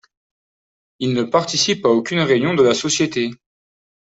Il ne participe à aucune réunion de la Société.